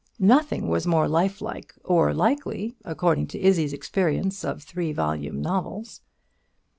Nothing was more life like or likely, according to Izzie's experience of three volume novels.